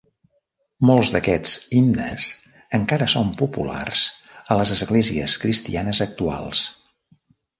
Molts d'aquests himnes encara són populars a les esglésies cristianes actuals.